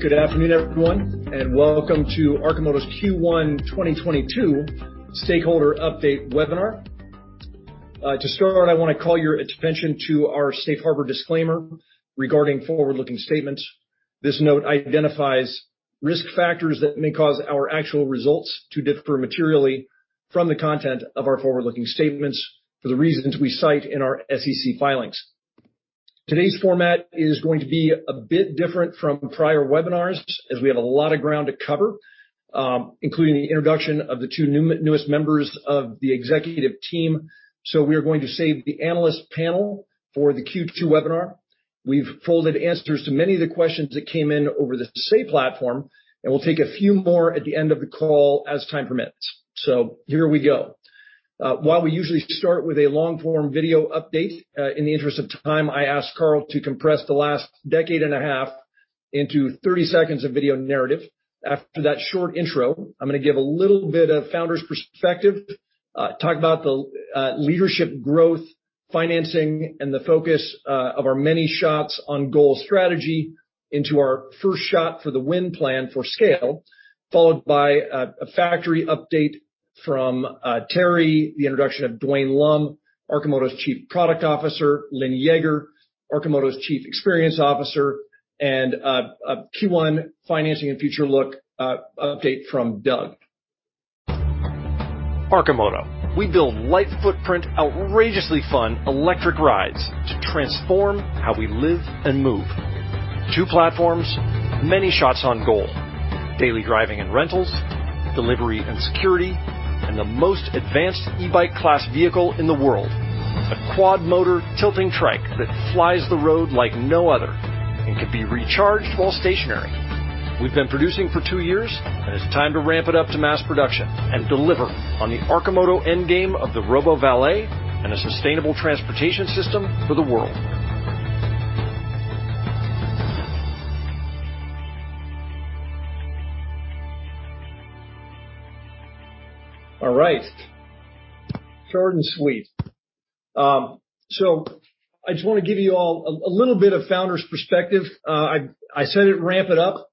Good afternoon, everyone, and welcome to Arcimoto's Q1 2022 stakeholder update webinar. To start, I wanna call your attention to our safe harbor disclaimer regarding forward-looking statements. This note identifies risk factors that may cause our actual results to differ materially from the content of our forward-looking statements for the reasons we cite in our SEC filings. Today's format is going to be a bit different from prior webinars as we have a lot of ground to cover, including the introduction of the two newest members of the executive team. We are going to save the analyst panel for the Q2 webinar. We've folded answers to many of the questions that came in over the Say platform, and we'll take a few more at the end of the call as time permits. Here we go. While we usually start with a long form video update, in the interest of time, I asked Carl to compress the last decade and a half into 30 seconds of video narrative. After that short intro, I'm gonna give a little bit of founder's perspective, talk about the leadership growth, financing, and the focus of our many shots on goal strategy into our first shot for the win plan for scale, followed by a factory update from Terry, the introduction of Dwayne Lum, Arcimoto's Chief Product Officer, Lynn Yeager, Arcimoto's Chief Experience Officer, and a Q1 financing and future look update from Doug. Arcimoto. We build light footprint, outrageously fun electric rides to transform how we live and move. Two platforms, many shots on goal. Daily driving and rentals, delivery and security, and the most advanced e-bike class vehicle in the world. A quad motor tilting trike that flies the road like no other and can be recharged while stationary. We've been producing for two years, and it's time to ramp it up to mass production and deliver on the Arcimoto endgame of the RoboValet and a sustainable transportation system for the world. All right. Short and sweet. I just wanna give you all a little bit of founder's perspective. I said it, Ramp It Up,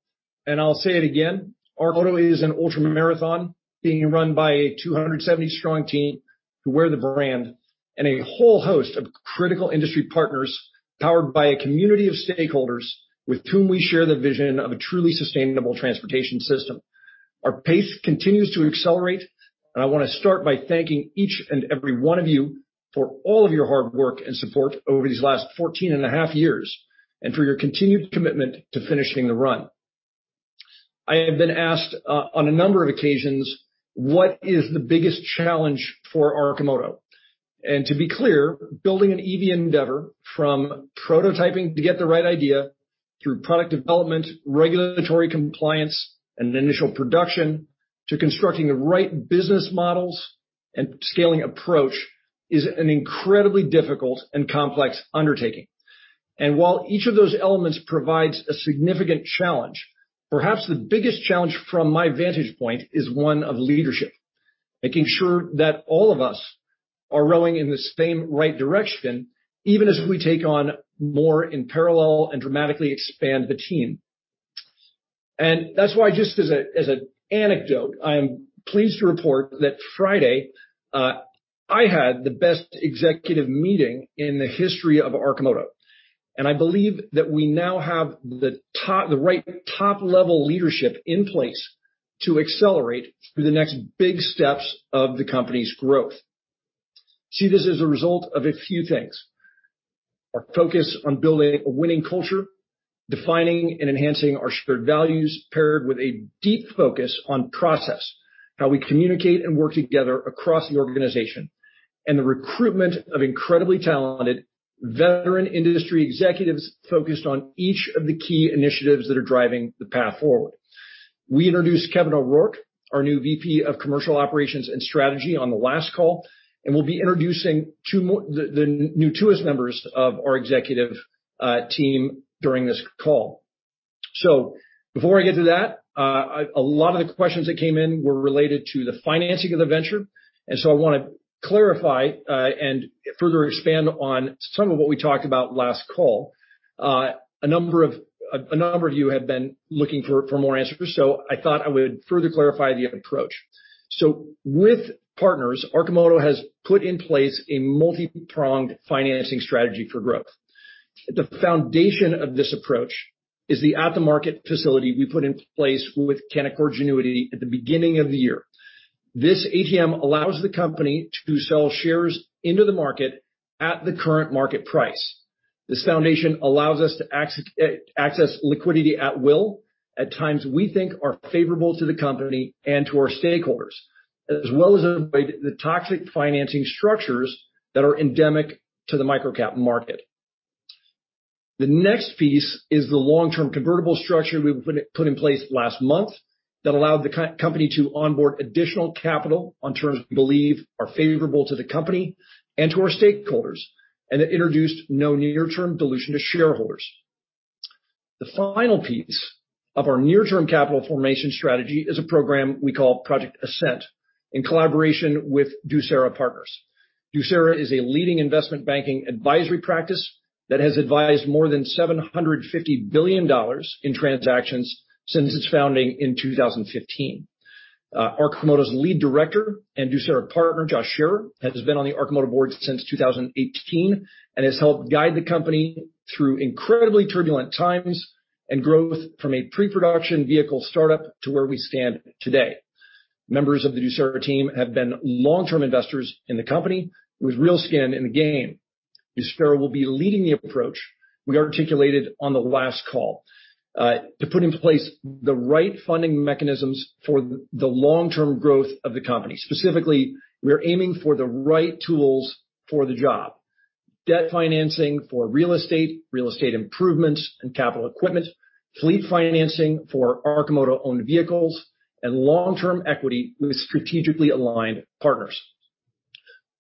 and I'll say it again. Arcimoto is an ultramarathon being run by a 270-strong team who wear the brand and a whole host of critical industry partners powered by a community of stakeholders with whom we share the vision of a truly sustainable transportation system. Our pace continues to accelerate, and I wanna start by thanking each and every one of you for all of your hard work and support over these last 14.5 years, and for your continued commitment to finishing the run. I have been asked on a number of occasions, what is the biggest challenge for Arcimoto? To be clear, building an EV endeavor from prototyping to get the right idea through product development, regulatory compliance and initial production to constructing the right business models and scaling approach is an incredibly difficult and complex undertaking. While each of those elements provides a significant challenge, perhaps the biggest challenge from my vantage point is one of leadership. Making sure that all of us are rowing in the same right direction, even as we take on more in parallel and dramatically expand the team. That's why, just as an anecdote, I am pleased to report that Friday, I had the best executive meeting in the history of Arcimoto, and I believe that we now have the right top-level leadership in place to accelerate through the next big steps of the company's growth. See this as a result of a few things. Our focus on building a winning culture, defining and enhancing our shared values paired with a deep focus on process, how we communicate and work together across the organization, and the recruitment of incredibly talented veteran industry executives focused on each of the key initiatives that are driving the path forward. We introduced Kevin O'Rourke, our new VP of Commercial Operations and Strategy, on the last call, and we'll be introducing two more, the newest members of our executive team during this call. Before I get to that, a lot of the questions that came in were related to the financing of the venture. I wanna clarify and further expand on some of what we talked about last call. A number of you have been looking for more answers, so I thought I would further clarify the approach. With partners, Arcimoto has put in place a multi-pronged financing strategy for growth. The foundation of this approach is the at-the-market facility we put in place with Canaccord Genuity at the beginning of the year. This ATM allows the company to sell shares into the market at the current market price. This foundation allows us to access liquidity at will, at times we think are favorable to the company and to our stakeholders, as well as avoid the toxic financing structures that are endemic to the microcap market. The next piece is the long-term convertible structure we've put in place last month that allowed the company to onboard additional capital on terms we believe are favorable to the company and to our stakeholders, and it introduced no near-term dilution to shareholders. The final piece of our near-term capital formation strategy is a program we call Project Ascent in collaboration with Ducera Partners. Ducera is a leading investment banking advisory practice that has advised more than $750 billion in transactions since its founding in 2015. Arcimoto's Lead Independent Director and Ducera partner, Joshua Scherer, has been on the Arcimoto board since 2018 and has helped guide the company through incredibly turbulent times and growth from a pre-production vehicle startup to where we stand today. Members of the Ducera team have been long-term investors in the company with real skin in the game. Ducera will be leading the approach we articulated on the last call to put in place the right funding mechanisms for the long-term growth of the company. Specifically, we are aiming for the right tools for the job. Debt financing for real estate, real estate improvements and capital equipment, fleet financing for Arcimoto-owned vehicles, and long-term equity with strategically aligned partners.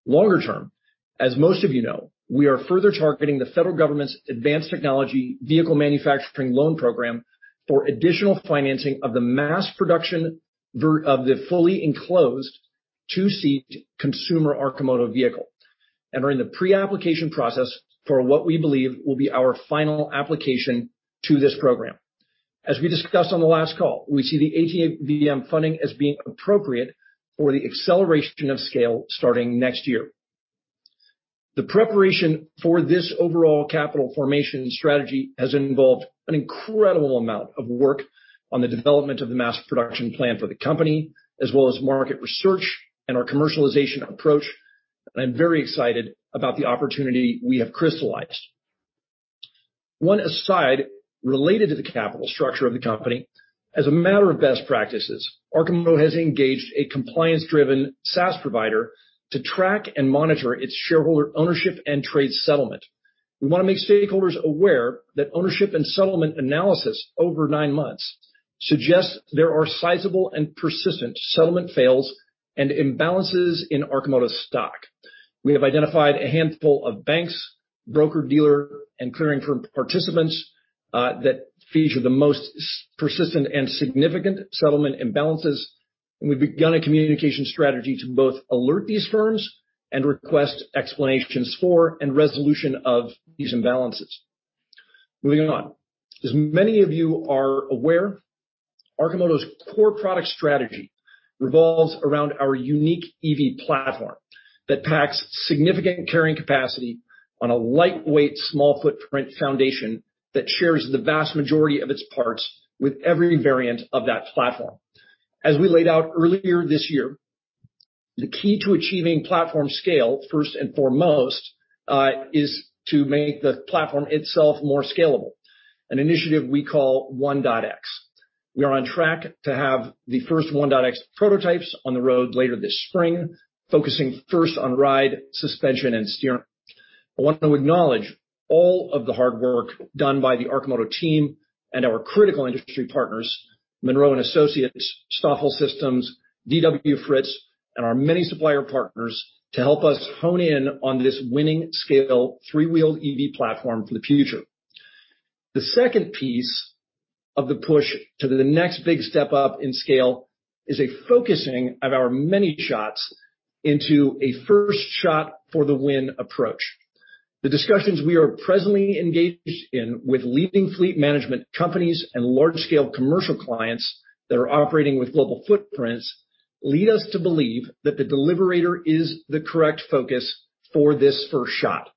Longer term, as most of you know, we are further targeting the federal government's Advanced Technology Vehicles Manufacturing Loan Program for additional financing of the mass production of the fully enclosed two-seat consumer Arcimoto vehicle, and are in the pre-application process for what we believe will be our final application to this program. As we discussed on the last call, we see the ATVM funding as being appropriate for the acceleration of scale starting next year. The preparation for this overall capital formation strategy has involved an incredible amount of work on the development of the mass production plan for the company, as well as market research and our commercialization approach. I'm very excited about the opportunity we have crystallized. One aside related to the capital structure of the company. As a matter of best practices, Arcimoto has engaged a compliance-driven SaaS provider to track and monitor its shareholder ownership and trade settlement. We wanna make stakeholders aware that ownership and settlement analysis over nine months suggests there are sizable and persistent settlement fails and imbalances in Arcimoto's stock. We have identified a handful of banks, broker-dealer and clearing firm participants that feature the most persistent and significant settlement imbalances, and we've begun a communication strategy to both alert these firms and request explanations for and resolution of these imbalances. Moving on. As many of you are aware, Arcimoto's core product strategy revolves around our unique EV platform that packs significant carrying capacity on a lightweight, small footprint foundation that shares the vast majority of its parts with every variant of that platform. As we laid out earlier this year, the key to achieving platform scale, first and foremost, is to make the platform itself more scalable, an initiative we call 1.X. We are on track to have the first 1.X prototypes on the road later this spring, focusing first on ride, suspension and steering. I want to acknowledge all of the hard work done by the Arcimoto team and our critical industry partners, Munro & Associates, Stoffel Systems, DWFritz Automation, and our many supplier partners to help us hone in on this winning scale three-wheeled EV platform for the future. The second piece of the push to the next big step up in scale is a focusing of our many shots into a first shot for the win approach. The discussions we are presently engaged in with leading fleet management companies and large scale commercial clients that are operating with global footprints lead us to believe that the Deliverator is the correct focus for this first shot.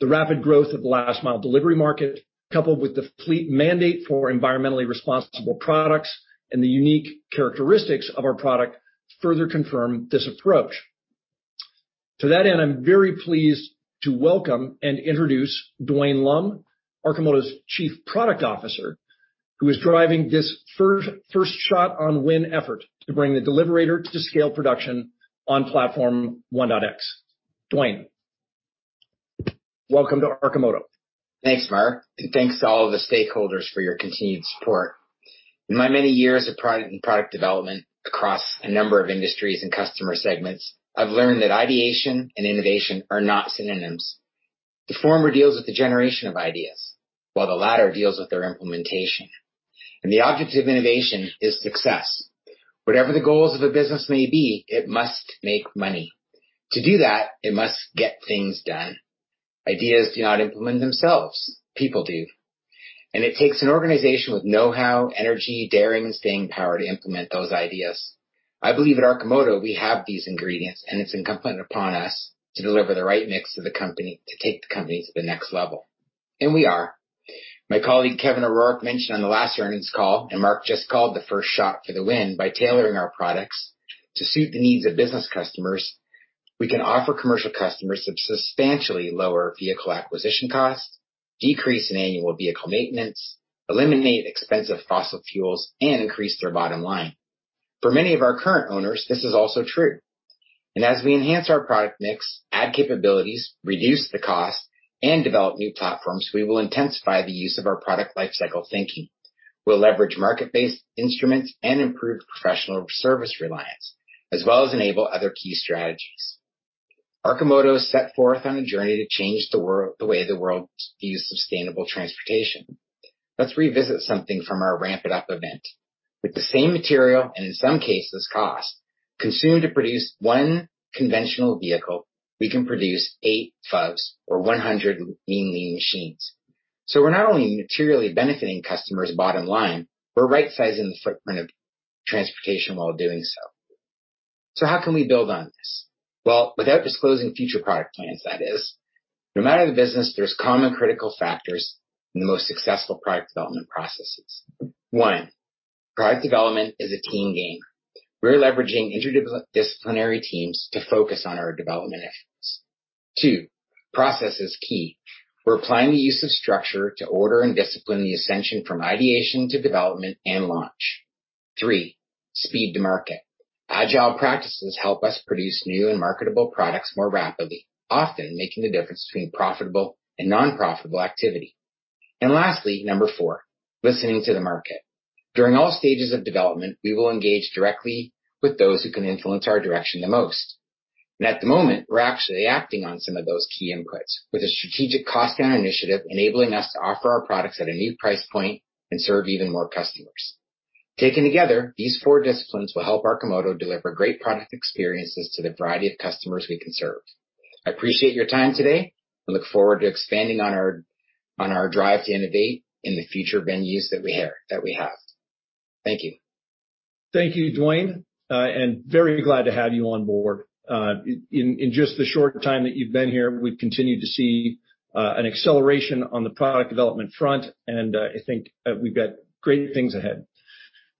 The rapid growth of the last mile delivery market, coupled with the fleet mandate for environmentally responsible products and the unique characteristics of our product further confirm this approach. To that end, I'm very pleased to welcome and introduce Dwayne Lum, Arcimoto's Chief Product Officer, who is driving this first shot on win effort to bring the Deliverator to scale production on platform 1.X. Dwayne, welcome to Arcimoto. Thanks, Mark, and thanks to all of the stakeholders for your continued support. In my many years of product and product development across a number of industries and customer segments, I've learned that ideation and innovation are not synonyms. The former deals with the generation of ideas, while the latter deals with their implementation, and the object of innovation is success. Whatever the goals of a business may be, it must make money. To do that, it must get things done. Ideas do not implement themselves, people do, and it takes an organization with know-how, energy, daring, and staying power to implement those ideas. I believe at Arcimoto we have these ingredients, and it's incumbent upon us to deliver the right mix to the company to take the company to the next level, and we are. My colleague, Kevin O'Rourke, mentioned on the last earnings call, and Mark just called the first shot for the win by tailoring our products to suit the needs of business customers. We can offer commercial customers a substantially lower vehicle acquisition cost, decrease in annual vehicle maintenance, eliminate expensive fossil fuels, and increase their bottom line. For many of our current owners, this is also true. As we enhance our product mix, add capabilities, reduce the cost, and develop new platforms, we will intensify the use of our product lifecycle thinking. We'll leverage market-based instruments and improve professional service reliance, as well as enable other key strategies. Arcimoto set forth on a journey to change the way the world views sustainable transportation. Let's revisit something from our Ramp It Up event. With the same material, and in some cases, cost consumed to produce one conventional vehicle, we can produce eight FUVs or 100 Mean Lean Machines. We're not only materially benefiting customers' bottom line, we're right-sizing the footprint of transportation while doing so. How can we build on this? Well, without disclosing future product plans, that is, no matter the business, there's common critical factors in the most successful product development processes. One, product development is a team game. We're leveraging interdisciplinary teams to focus on our development efforts. Two, process is key. We're applying the use of structure to order and discipline the ascension from ideation to development and launch. Three, speed to market. Agile practices help us produce new and marketable products more rapidly, often making the difference between profitable and non-profitable activity. Lastly, number four, listening to the market. During all stages of development, we will engage directly with those who can influence our direction the most. At the moment, we're actually acting on some of those key inputs with a strategic cost-down initiative enabling us to offer our products at a new price point and serve even more customers. Taken together, these four disciplines will help Arcimoto deliver great product experiences to the variety of customers we can serve. I appreciate your time today and look forward to expanding on our drive to innovate in the future venues that we have. Thank you. Thank you, Dwayne. Very glad to have you on board. In just the short time that you've been here, we've continued to see an acceleration on the product development front, and I think we've got great things ahead.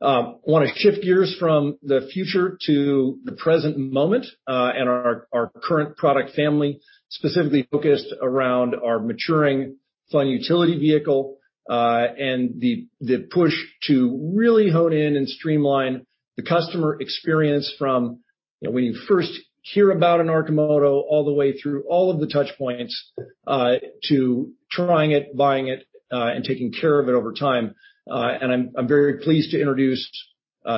Wanna shift gears from the future to the present moment and our current product family, specifically focused around our maturing fun utility vehicle and the push to really hone in and streamline the customer experience from, you know, when you first hear about an Arcimoto all the way through all of the touch points to trying it, buying it and taking care of it over time. I'm very pleased to introduce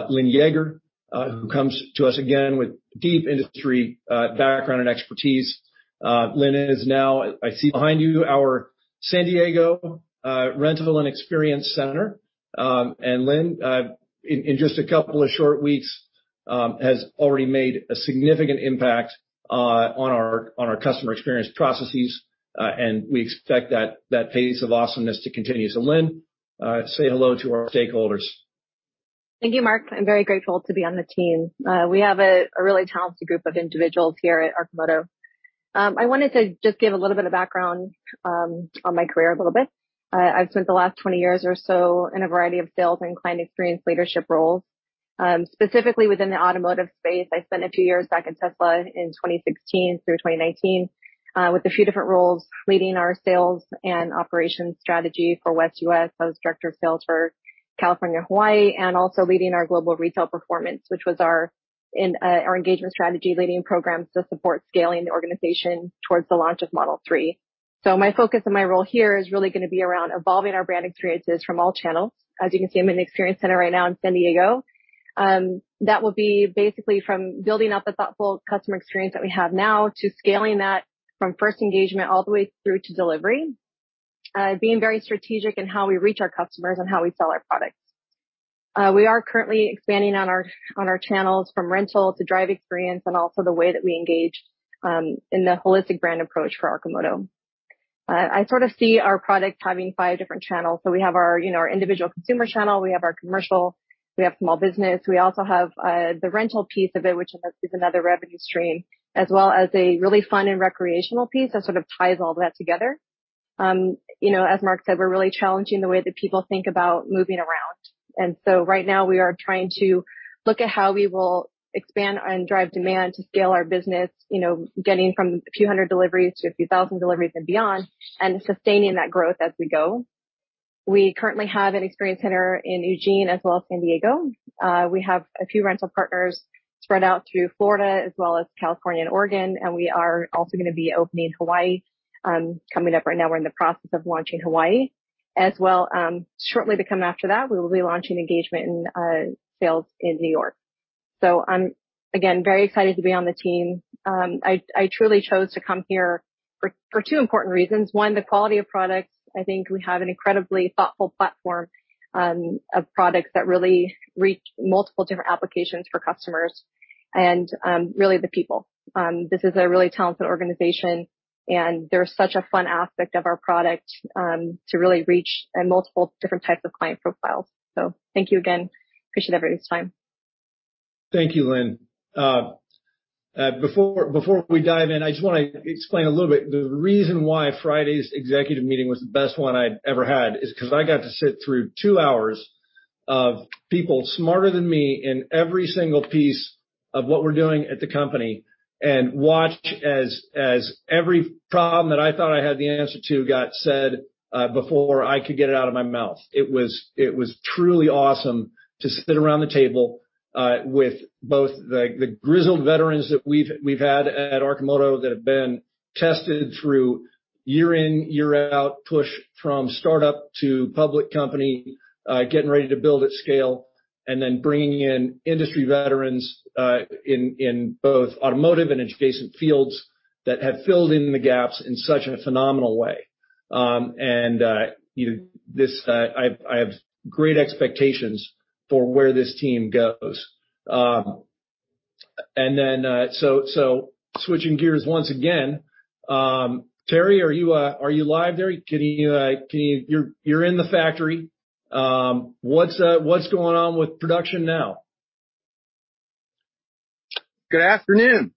Lynn Yeager, who comes to us again with deep industry background and expertise. Lynn is now. I see behind you our San Diego rental and experience center. Lynn, in just a couple of short weeks, has already made a significant impact on our customer experience processes, and we expect that pace of awesomeness to continue. Lynn, say hello to our stakeholders. Thank you, Mark. I'm very grateful to be on the team. We have a really talented group of individuals here at Arcimoto. I wanted to just give a little bit of background on my career a little bit. I've spent the last 20 years or so in a variety of sales and client experience leadership roles, specifically within the automotive space. I spent a few years back in Tesla in 2016 through 2019, with a few different roles leading our sales and operations strategy for West U.S. I was director of sales for California, Hawaii, and also leading our global retail performance, which was our engagement strategy, leading programs to support scaling the organization towards the launch of Model 3. My focus and my role here is really gonna be around evolving our brand experiences from all channels. As you can see, I'm in an experience center right now in San Diego. That will be basically from building out the thoughtful customer experience that we have now to scaling that from first engagement all the way through to delivery, being very strategic in how we reach our customers and how we sell our products. We are currently expanding on our channels from rental to drive experience and also the way that we engage in the holistic brand approach for Arcimoto. I sort of see our product having five different channels. We have our, you know, our individual consumer channel, we have our commercial, we have small business. We also have the rental piece of it, which is another revenue stream, as well as a really fun and recreational piece that sort of ties all that together. You know, as Mark said, we're really challenging the way that people think about moving around. Right now we are trying to look at how we will expand and drive demand to scale our business, you know, getting from a few hundred deliveries to a few thousand deliveries and beyond, and sustaining that growth as we go. We currently have an experience center in Eugene as well as San Diego. We have a few rental partners spread out through Florida as well as California and Oregon, and we are also gonna be opening Hawaii, coming up right now. We're in the process of launching Hawaii as well. Shortly to come after that, we will be launching engagement in sales in New York. I'm, again, very excited to be on the team. I truly chose to come here for two important reasons. One, the quality of products. I think we have an incredibly thoughtful platform of products that really reach multiple different applications for customers and really the people. This is a really talented organization, and there's such a fun aspect of our product to really reach multiple different types of client profiles. Thank you again. Appreciate everybody's time. Thank you, Lynn. Before we dive in, I just wanna explain a little bit. The reason why Friday's executive meeting was the best one I'd ever had is 'cause I got to sit through two hours of people smarter than me in every single piece of what we're doing at the company and watch as every problem that I thought I had the answer to got said before I could get it out of my mouth. It was truly awesome to sit around the table with both the grizzled veterans that we've had at Arcimoto that have been tested through year in, year out, push from startup to public company, getting ready to build at scale. Bringing in industry veterans in both automotive and adjacent fields that have filled in the gaps in such a phenomenal way. You know, I have great expectations for where this team goes. Switching gears once again, Terry, are you live there? Can you. You're in the factory. What's going on with production now? Good afternoon.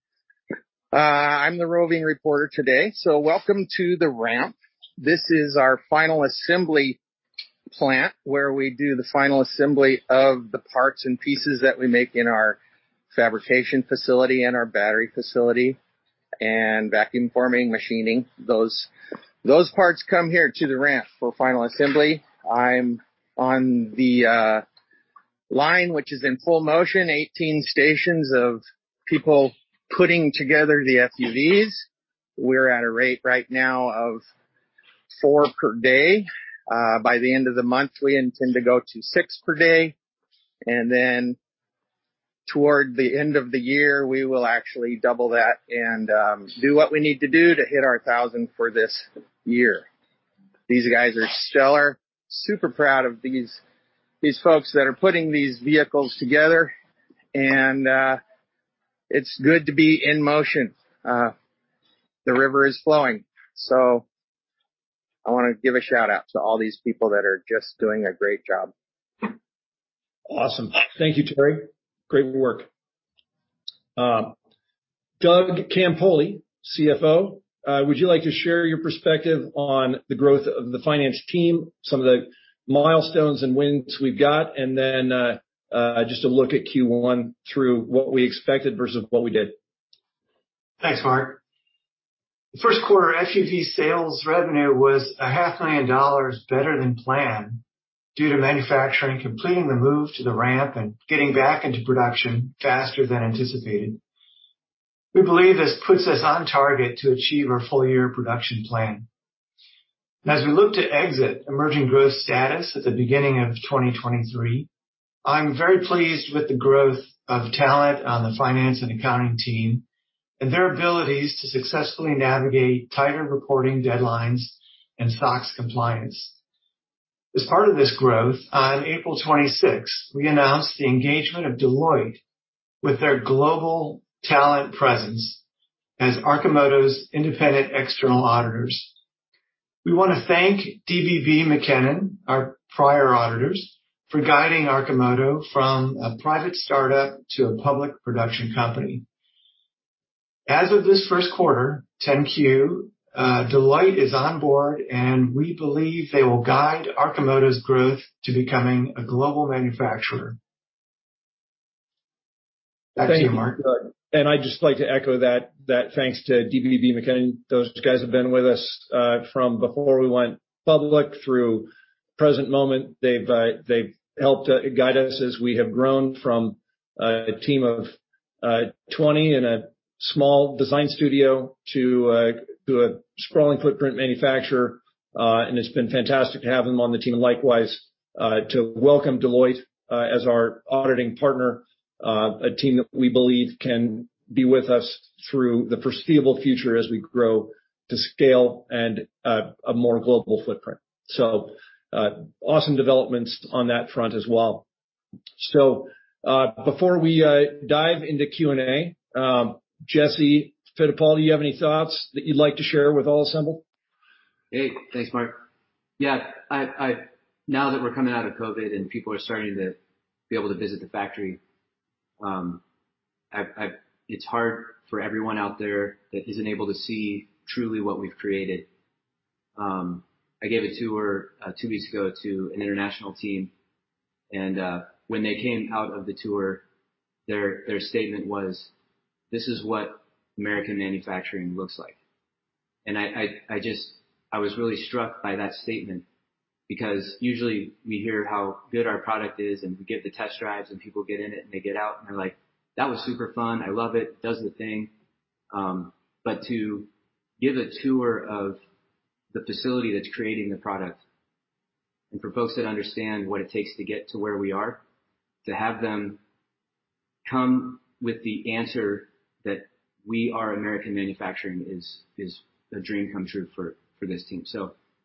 I'm the roving reporter today. Welcome to the Ramp. This is our final assembly plant, where we do the final assembly of the parts and pieces that we make in our fabrication facility and our battery facility and vacuum forming, machining. Those parts come here to the Ramp for final assembly. I'm on the line which is in full motion, 18 stations of people putting together the FUVs. We're at a rate right now of four per day. By the end of the month, we intend to go to six per day, and then toward the end of the year, we will actually double that and do what we need to do to hit our 1,000 for this year. These guys are stellar. Super proud of these folks that are putting these vehicles together. It's good to be in motion. The river is flowing. I wanna give a shout out to all these people that are just doing a great job. Awesome. Thank you, Terry. Great work. Doug Campoli, CFO, would you like to share your perspective on the growth of the finance team, some of the milestones and wins we've got, and then, just to look at Q1 through what we expected versus what we did? Thanks, Mark. Q1 FUV sales revenue was a half million dollars better than planned due to manufacturing completing the move to the ramp and getting back into production faster than anticipated. We believe this puts us on target to achieve our full-year production plan. As we look to exit emerging growth status at the beginning of 2023, I'm very pleased with the growth of talent on the finance and accounting team and their abilities to successfully navigate tighter reporting deadlines and SOX compliance. As part of this growth, on April 26th, we announced the engagement of Deloitte with their global talent presence as Arcimoto's independent external auditors. We wanna thank dbbmckennon, our prior auditors, for guiding Arcimoto from a private startup to a public production company. As of this Q1 10-Q, Deloitte is on board, and we believe they will guide Arcimoto's growth to becoming a global manufacturer. Back to you, Mark. Thank you, Doug. I'd just like to echo that thanks to dbbmckennon. Those guys have been with us from before we went public through present moment. They've helped guide us as we have grown from a team of 20 in a small design studio to a sprawling footprint manufacturer, and it's been fantastic to have them on the team. Likewise, to welcome Deloitte as our auditing partner, a team that we believe can be with us through the foreseeable future as we grow to scale and a more global footprint. Before we dive into Q&A, Jesse Fittipaldi, do you have any thoughts that you'd like to share with all assembled? Hey. Thanks, Mark. Yeah. Now that we're coming out of COVID and people are starting to be able to visit the factory, I've. It's hard for everyone out there that isn't able to see truly what we've created. I gave a tour two weeks ago to an international team, and when they came out of the tour, their statement was, "This is what American manufacturing looks like." I was really struck by that statement because usually we hear how good our product is, and we give the test drives, and people get in it, and they get out, and they're like, "That was super fun. I love it. To give the tour of the facility that's creating the product and for folks that understand what it takes to get to where we are, to have them come with the answer that we are American manufacturing is a dream come true for this team.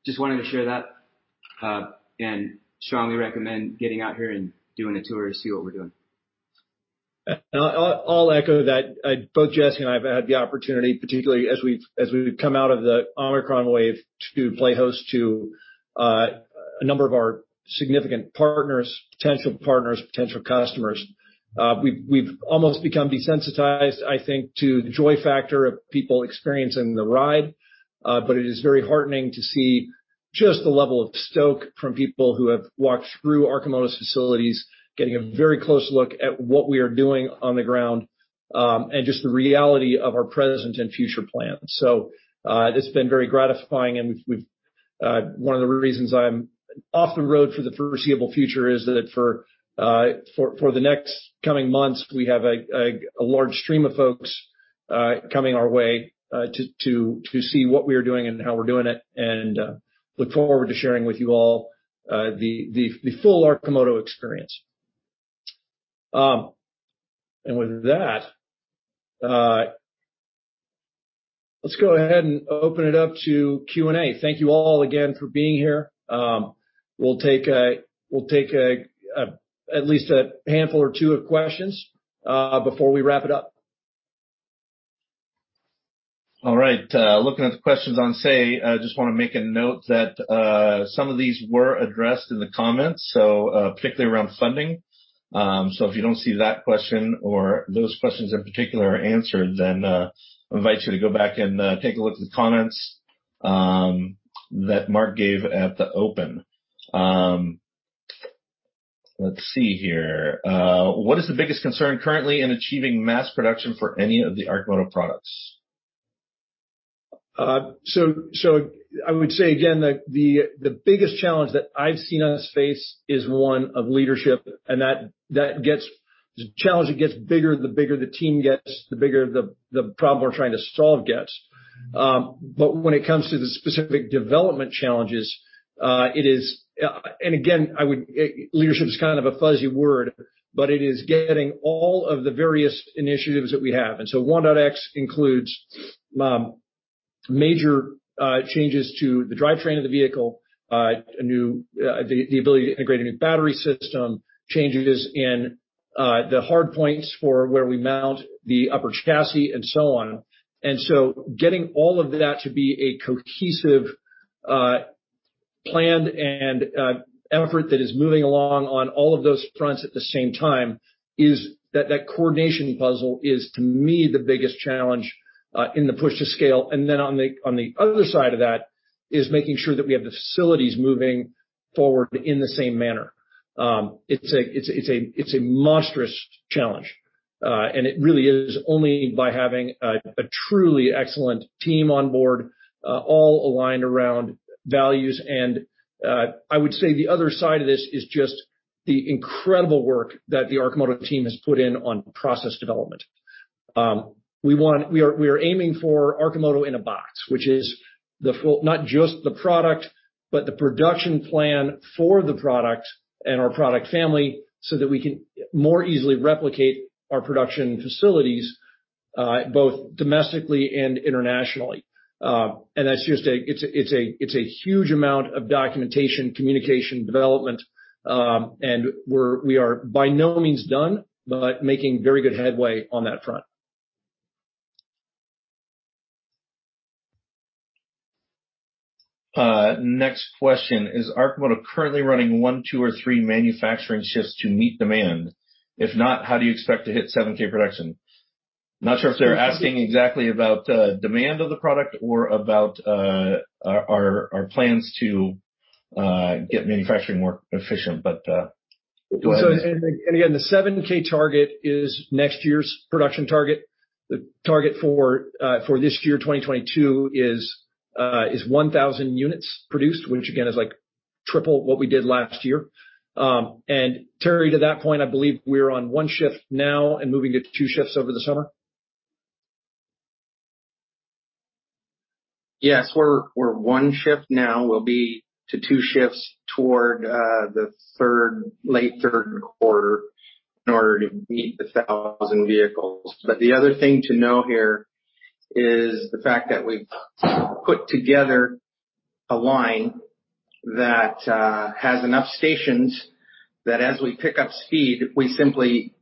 Just wanted to share that, and strongly recommend getting out here and doing a tour to see what we're doing. I'll echo that. Both Jesse and I have had the opportunity, particularly as we've come out of the Omicron wave, to play host to a number of our significant partners, potential partners, potential customers. We've almost become desensitized, I think, to the joy factor of people experiencing the ride. It is very heartening to see just the level of stoke from people who have walked through Arcimoto's facilities, getting a very close look at what we are doing on the ground, and just the reality of our present and future plans. This has been very gratifying. One of the reasons I'm off the road for the foreseeable future is that for the next coming months, we have a large stream of folks coming our way, to see what we are doing and how we're doing it, and look forward to sharing with you all the full Arcimoto experience. With that, let's go ahead and open it up to Q&A. Thank you all again for being here. We'll take at least a handful or two of questions before we wrap it up. All right. Looking at the questions on Say, I just wanna make a note that some of these were addressed in the comments, so particularly around funding. If you don't see that question or those questions in particular are answered, then invite you to go back and take a look at the comments that Mark gave at the open. Let's see here. What is the biggest concern currently in achieving mass production for any of the Arcimoto products? I would say again that the biggest challenge that I've seen on this space is one of leadership, and that gets bigger, the bigger the team gets, the bigger the problem we're trying to solve gets. But when it comes to the specific development challenges, it is, and again, Leadership is kind of a fuzzy word, but it is getting all of the various initiatives that we have. 1.X includes major changes to the drivetrain of the vehicle, a new the ability to integrate a new battery system, changes in the hard points for where we mount the upper chassis and so on. Getting all of that to be a cohesive plan and effort that is moving along on all of those fronts at the same time is that coordination puzzle, to me, the biggest challenge in the push to scale. On the other side of that is making sure that we have the facilities moving forward in the same manner. It's a monstrous challenge, and it really is only by having a truly excellent team on board, all aligned around values. I would say the other side of this is just the incredible work that the Arcimoto team has put in on process development. We are aiming for Arcimoto in a box, which is not just the product, but the production plan for the product and our product family, so that we can more easily replicate our production facilities both domestically and internationally. It's a huge amount of documentation, communication, development, and we are by no means done, but making very good headway on that front. Next question: Is Arcimoto currently running one, two, or three manufacturing shifts to meet demand? If not, how do you expect to hit 7K production? Not sure if they're asking exactly about demand of the product or about our plans to get manufacturing more efficient, but go ahead. The 7,000 target is next year's production target. The target for this year, 2022, is 1,000 units produced, which again, is like triple what we did last year. Terry, to that point, I believe we're on one shift now and moving it to two shifts over the summer. Yes. We're one shift now. We'll be to two shifts toward the third, late Q3 in order to meet 1,000 vehicles. The other thing to know here is the fact that we've put together a line that has enough stations that as we pick up speed, we simply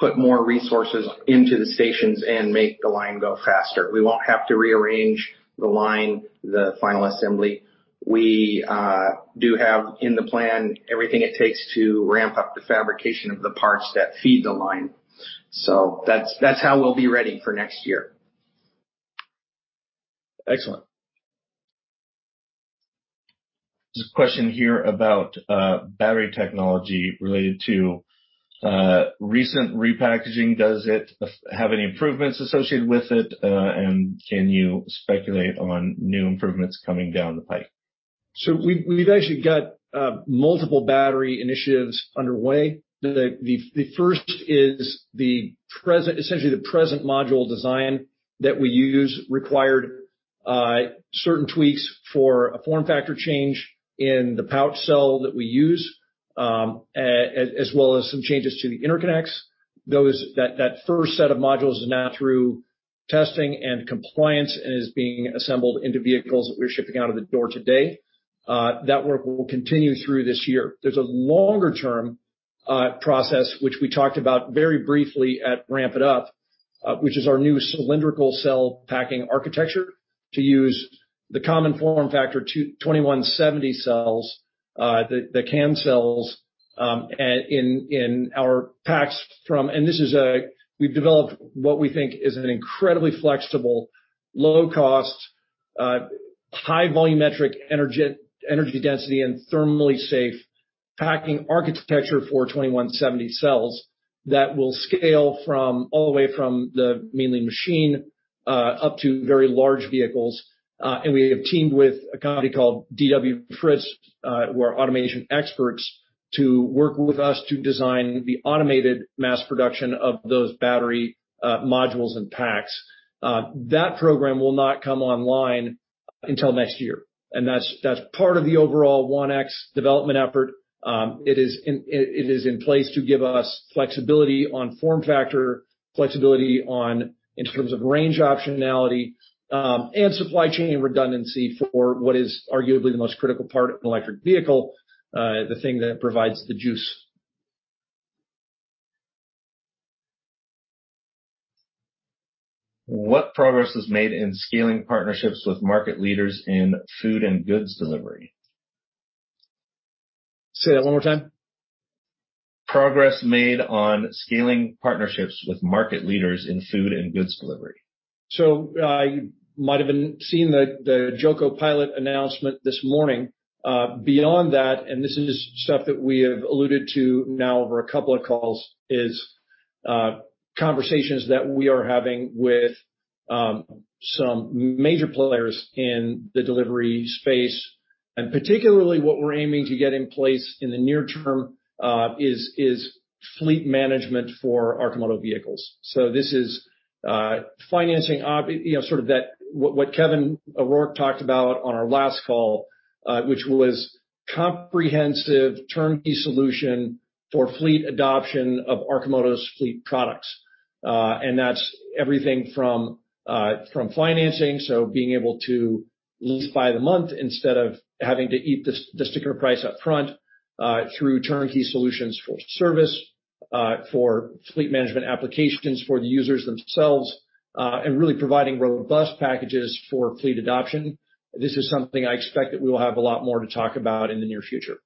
put more resources into the stations and make the line go faster. We won't have to rearrange the line, the final assembly. We do have in the plan everything it takes to ramp up the fabrication of the parts that feed the line. That's how we'll be ready for next year. Excellent. There's a question here about battery technology related to recent repackaging. Does it have any improvements associated with it? Can you speculate on new improvements coming down the pipe? We've actually got multiple battery initiatives underway. The first is essentially the present module design that we use required certain tweaks for a form factor change in the pouch cell that we use, as well as some changes to the interconnects. That first set of modules is now through testing and compliance and is being assembled into vehicles that we're shipping out of the door today. That work will continue through this year. There's a longer-term process which we talked about very briefly at Ramp It Up, which is our new cylindrical cell packing architecture to use the common form factor 2170 cells, the canned cells, and in our packs from. This is, we've developed what we think is an incredibly flexible, low cost, high volumetric energy density and thermally safe packing architecture for 2170 cells that will scale from all the way from the Mean Lean Machine up to very large vehicles. We have teamed with a company called DWFritz who are automation experts to work with us to design the automated mass production of those battery modules and packs. That program will not come online until next year, and that's part of the overall 1.X development effort. It is in place to give us flexibility on form factor, flexibility on in terms of range optionality, and supply chain redundancy for what is arguably the most critical part of an electric vehicle, the thing that provides the juice. What progress is made in scaling partnerships with market leaders in food and goods delivery? Say that one more time. Progress made on scaling partnerships with market leaders in food and goods delivery. You might have seen the JOCO pilot announcement this morning. Beyond that, this is stuff that we have alluded to now over a couple of calls, conversations that we are having with some major players in the delivery space. Particularly what we're aiming to get in place in the near term is fleet management for Arcimoto vehicles. This is financing, you know, sort of that what Kevin O'Rourke talked about on our last call, which was comprehensive turnkey solution for fleet adoption of Arcimoto's fleet products. That's everything from financing, so being able to lease by the month instead of having to eat the sticker price up front, through turnkey solutions for service, for fleet management applications for the users themselves, and really providing robust packages for fleet adoption. This is something I expect that we will have a lot more to talk about in the near future.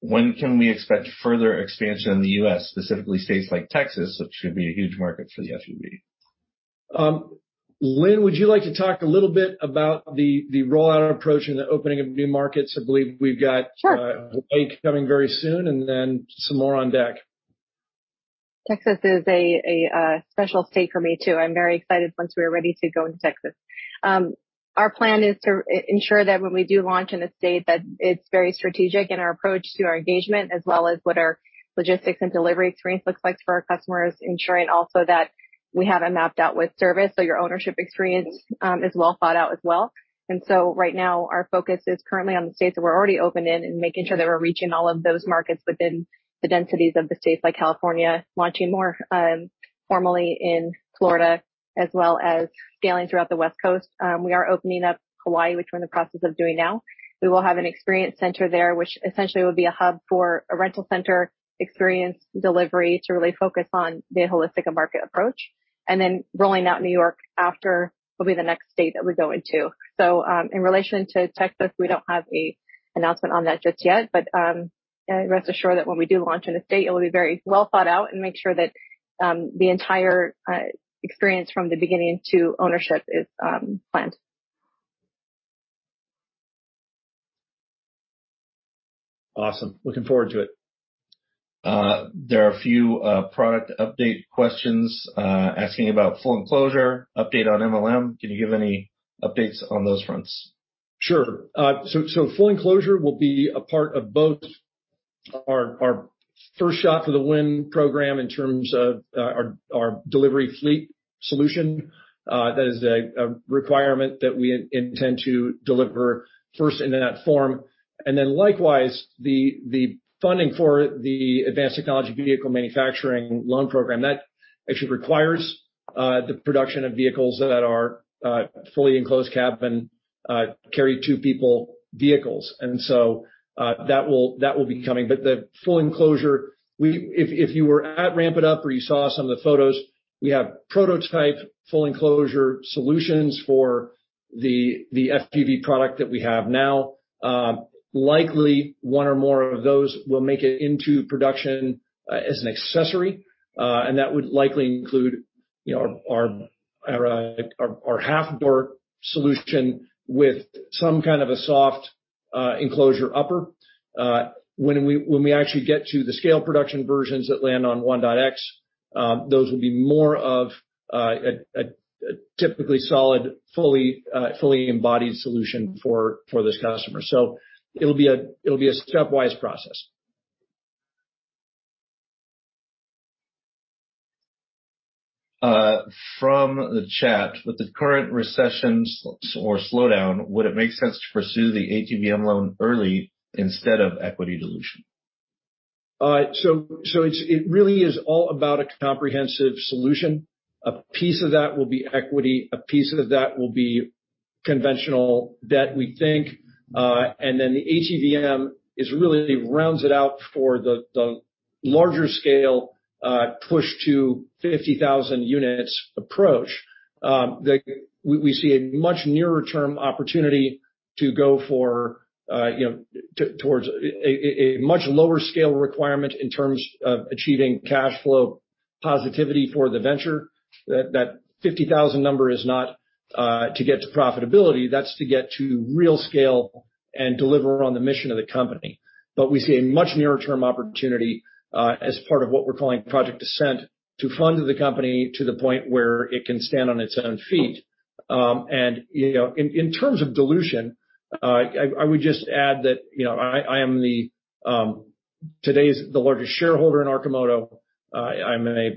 When can we expect further expansion in the U.S., specifically states like Texas, which should be a huge market for the FUV? Lynn, would you like to talk a little bit about the rollout approach and the opening of new markets? I believe we've got. Sure. Lake coming very soon and then some more on deck. Texas is a special state for me, too. I'm very excited once we are ready to go into Texas. Our plan is to ensure that when we do launch in a state that it's very strategic in our approach to our engagement, as well as what our logistics and delivery experience looks like for our customers, ensuring also that we have it mapped out with service, so your ownership experience is well thought out as well. Right now, our focus is currently on the states that we're already open in and making sure that we're reaching all of those markets within the densities of the states like California, launching more formally in Florida, as well as scaling throughout the West Coast. We are opening up Hawaii, which we're in the process of doing now. We will have an experience center there, which essentially will be a hub for a rental center experience delivery to really focus on the holistic market approach. Rolling out in New York after will be the next state that we go into. In relation to Texas, we don't have an announcement on that just yet, but rest assured that when we do launch in a state, it will be very well thought out and make sure that the entire experience from the beginning to ownership is planned. Awesome. Looking forward to it. There are a few product update questions asking about full enclosure, update on MLM. Can you give any updates on those fronts? Sure. Full enclosure will be a part of both our first shot for the WIN program in terms of our delivery fleet solution. That is a requirement that we intend to deliver first in that form. Then likewise, the funding for the Advanced Technology Vehicles Manufacturing Loan Program, that actually requires the production of vehicles that are fully enclosed cab and carry two people vehicles. That will be coming. The full enclosure, if you were at Ramp It Up where you saw some of the photos, we have prototype full enclosure solutions for the FUV product that we have now. Likely one or more of those will make it into production as an accessory, and that would likely include, you know, our half door solution with some kind of a soft enclosure upper. When we actually get to the scale production versions that land on 1.X, those will be more of a typically solid, fully embodied solution for this customer. It'll be a stepwise process. From the chat, with the current recessions or slowdown, would it make sense to pursue the ATVM loan early instead of equity dilution? It really is all about a comprehensive solution. A piece of that will be equity, a piece of that will be conventional debt, we think. The ATVM really rounds it out for the larger scale push to 50,000 units approach. That we see a much nearer term opportunity to go for, you know, towards a much lower scale requirement in terms of achieving cash flow positivity for the venture. That 50,000 number is not to get to profitability, that's to get to real scale and deliver on the mission of the company. We see a much nearer term opportunity as part of what we're calling Project Ascent to fund the company to the point where it can stand on its own feet. You know, in terms of dilution, I would just add that, you know, I am today the largest shareholder in Arcimoto. I'm a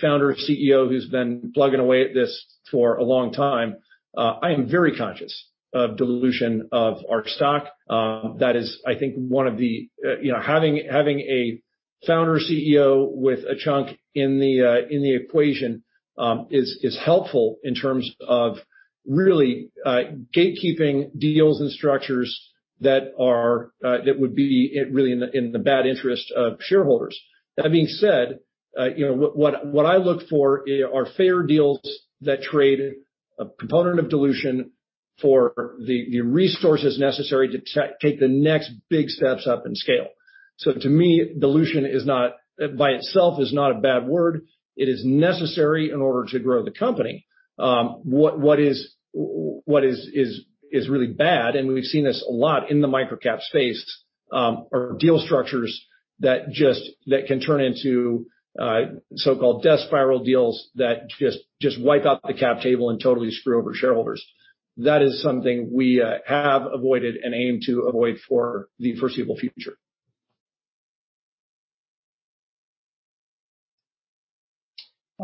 Founder and CEO who's been plugging away at this for a long time. I am very conscious of dilution of our stock. That is, I think, one of the, you know, having a Founder CEO with a chunk in the equation is helpful in terms of really gatekeeping deals and structures that would be really in the bad interest of shareholders. That being said, you know, what I look for are fair deals that trade a component of dilution for the resources necessary to take the next big steps up in scale. To me, dilution is not, by itself, a bad word. It is necessary in order to grow the company. What is really bad, and we've seen this a lot in the microcap space, are deal structures that can turn into so-called death spiral deals that just wipe out the cap table and totally screw over shareholders. That is something we have avoided and aim to avoid for the foreseeable future.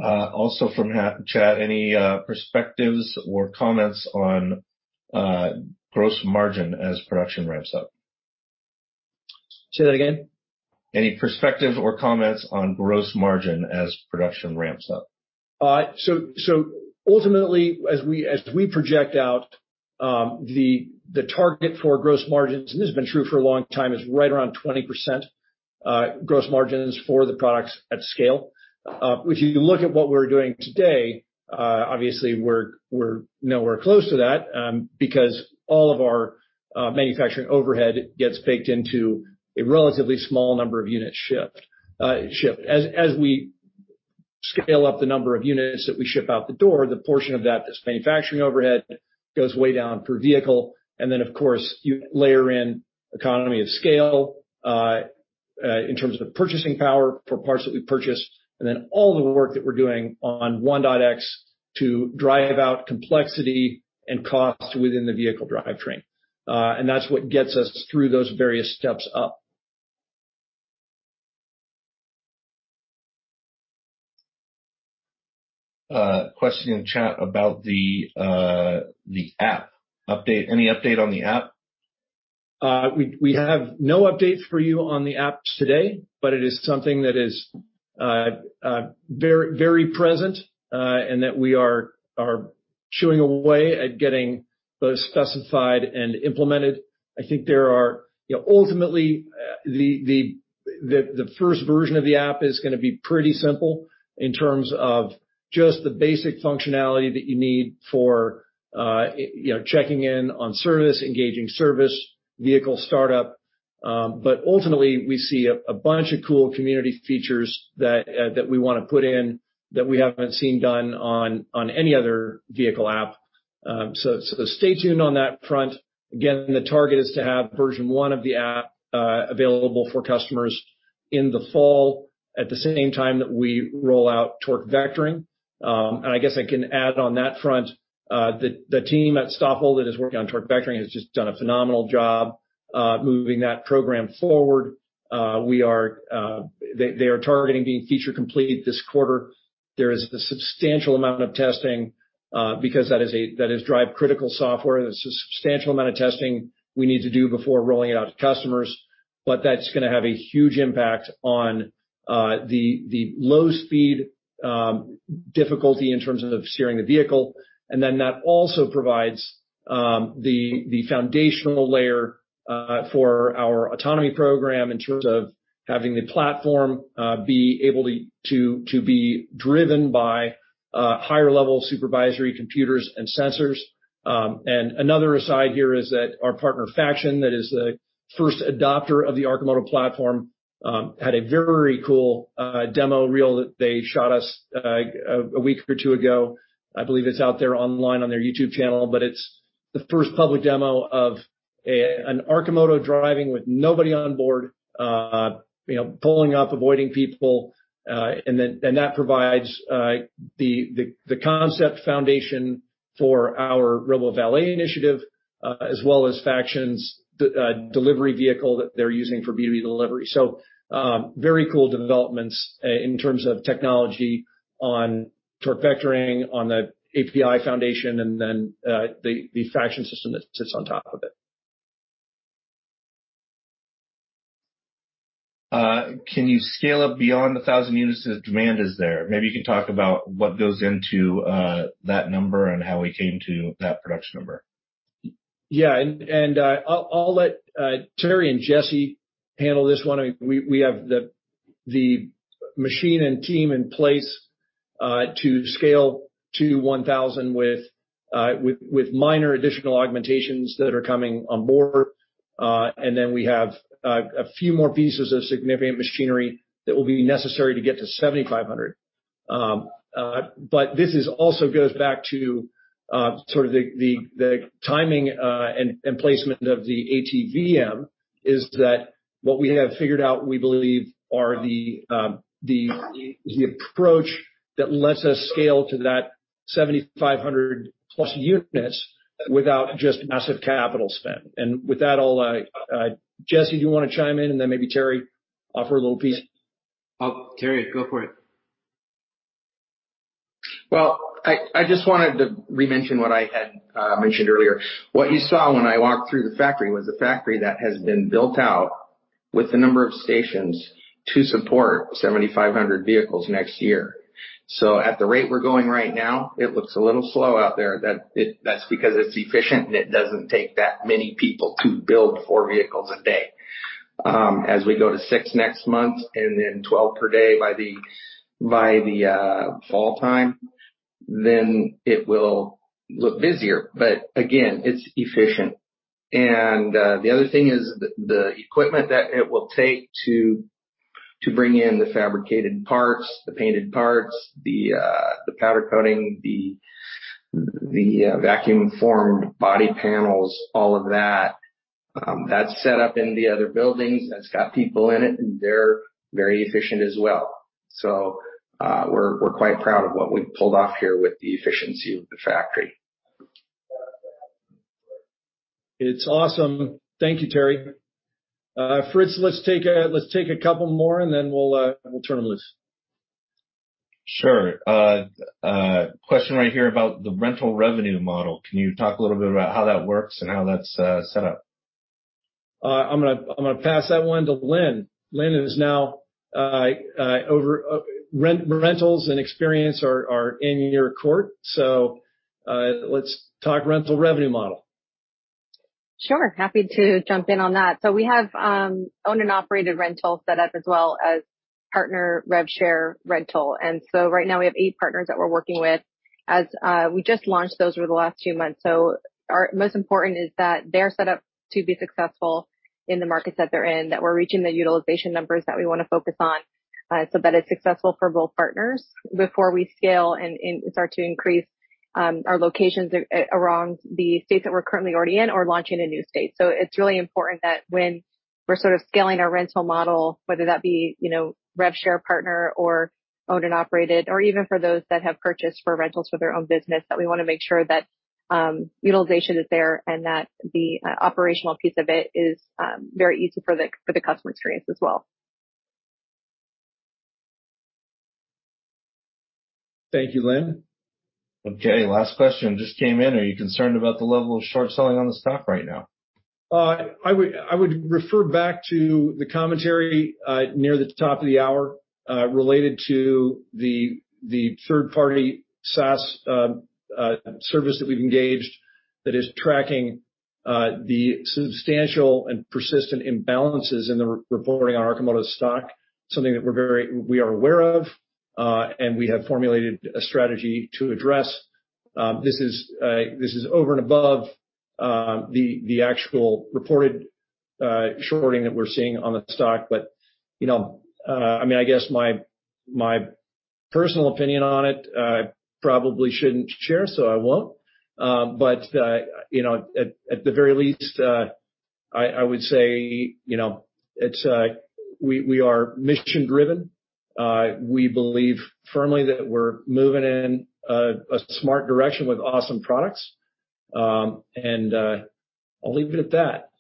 Also from chat, any perspectives or comments on gross margin as production ramps up? Say that again. Any perspective or comments on gross margin as production ramps up? Ultimately, as we project out, the target for gross margins, and this has been true for a long time, is right around 20%, gross margins for the products at scale. If you look at what we're doing today, obviously we're nowhere close to that, because all of our manufacturing overhead gets baked into a relatively small number of units shipped. As we scale up the number of units that we ship out the door, the portion of that that's manufacturing overhead goes way down per vehicle. Then, of course, you layer in economies of scale in terms of purchasing power for parts that we purchase, and then all the work that we're doing on 1.X to drive out complexity and cost within the vehicle drivetrain. That's what gets us through those various steps up. Question in chat about the app update. Any update on the app? We have no update for you on the app today, but it is something that is very present and that we are chewing away at getting both specified and implemented. I think there are. You know, ultimately, the first version of the app is gonna be pretty simple in terms of just the basic functionality that you need for you know, checking in on service, engaging service, vehicle startup. But ultimately, we see a bunch of cool community features that we wanna put in that we haven't seen done on any other vehicle app. So stay tuned on that front. Again, the target is to have version one of the app available for customers in the fall at the same time that we roll out torque vectoring. I guess I can add on that front, the team at Stoffel that is working on torque vectoring has just done a phenomenal job moving that program forward. They are targeting being feature complete this quarter. There is a substantial amount of testing because that is drive-critical software. There's a substantial amount of testing we need to do before rolling it out to customers, but that's gonna have a huge impact on the low speed difficulty in terms of steering the vehicle. That also provides the foundational layer for our autonomy program in terms of having the platform be able to be driven by higher level supervisory computers and sensors. Another aside here is that our partner, Faction, that is the first adopter of the Arcimoto platform, had a very cool demo reel that they shot us a week or two ago. I believe it's out there online on their YouTube channel, but it's the first public demo of an Arcimoto driving with nobody on board, you know, pulling up, avoiding people. That provides the concept foundation for our RoboValet initiative, as well as Faction's driverless delivery vehicle that they're using for B2B delivery. Very cool developments in terms of technology on torque vectoring, on the API foundation, and then the Faction system that sits on top of it. Can you scale up beyond 1,000 units if demand is there? Maybe you can talk about what goes into that number and how we came to that production number. Yeah, I'll let Terry and Jesse handle this one. I mean, we have the machine and team in place to scale to 1,000 with minor additional augmentations that are coming on board. Then we have a few more pieces of significant machinery that will be necessary to get to 7,500. This also goes back to sort of the timing and placement of the ATVM. Is that what we have figured out? We believe are the approach that lets us scale to that 7,500+ units without just massive capital spend. With that all, Jesse, do you wanna chime in and then maybe Terry offer a little piece? Oh, Terry, go for it. Well, I just wanted to re-mention what I had mentioned earlier. What you saw when I walked through the factory was a factory that has been built out with the number of stations to support 7,500 vehicles next year. At the rate we're going right now, it looks a little slow out there. That's because it's efficient, and it doesn't take that many people to build four vehicles a day. As we go to six next month and then 12 per day by the fall time, then it will look busier. Again, it's efficient. The other thing is the equipment that it will take to bring in the fabricated parts, the painted parts, the powder coating, the vacuum formed body panels, all of that's set up in the other buildings. That's got people in it, and they're very efficient as well. We're quite proud of what we've pulled off here with the efficiency of the factory. It's awesome. Thank you, Terry. Fritz, let's take a couple more, and then we'll turn loose. Sure. Question right here about the rental revenue model. Can you talk a little bit about how that works and how that's set up? I'm gonna pass that one to Lynn. Lynn is now over rentals and experience are in your court. Let's talk rental revenue model. Sure. Happy to jump in on that. We have owned and operated rentals set up as well as partner rev share rental. Right now we have eight partners that we're working with as we just launched those over the last two months. Our most important is that they're set up to be successful in the markets that they're in, that we're reaching the utilization numbers that we wanna focus on, so that it's successful for both partners before we scale and start to increase our locations around the states that we're currently already in or launching in new states. It's really important that when we're sort of scaling our rental model, whether that be, you know, rev share partner or owned and operated, or even for those that have purchased for rentals for their own business, that we wanna make sure that utilization is there and that the operational piece of it is very easy for the customer experience as well. Thank you, Lynn. Okay, last question just came in. Are you concerned about the level of short selling on the stock right now? I would refer back to the commentary near the top of the hour related to the third-party SaaS service that we've engaged that is tracking the substantial and persistent imbalances in the re-reporting on Arcimoto stock, something that we are aware of and we have formulated a strategy to address. This is over and above the actual reported shorting that we're seeing on the stock. You know, I mean, I guess my personal opinion on it, I probably shouldn't share, so I won't. You know, at the very least, I would say, you know, it's we are mission-driven. We believe firmly that we're moving in a smart direction with awesome products. I'll leave it at that.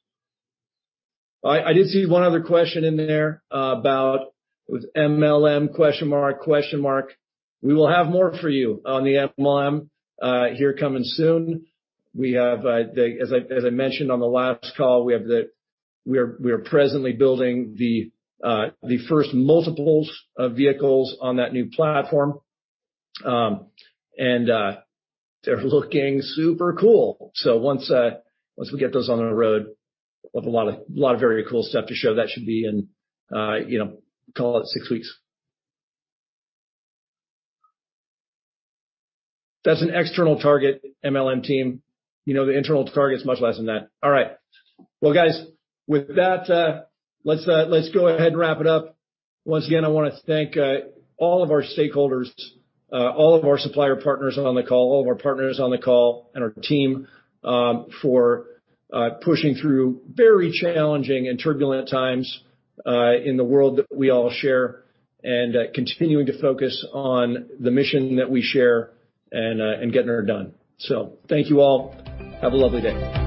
I did see one other question in there about was MLM question mark, question mark. We will have more for you on the MLM here coming soon. We have the, as I mentioned on the last call, we are presently building the first multiples of vehicles on that new platform. They're looking super cool. So once we get those on the road, we have a lot of very cool stuff to show, that should be in, you know, call it 6 weeks. That's an external target MLM team. You know, the internal target is much less than that. All right. Well, guys, with that, let's go ahead and wrap it up. Once again, I wanna thank all of our stakeholders, all of our supplier partners on the call, all of our partners on the call and our team, for pushing through very challenging and turbulent times in the world that we all share and getting her done. Thank you all. Have a lovely day.